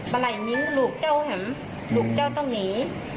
เบาไหล่นิ้งลูกเจ้าเห็มลูกเจ้าต้องหนี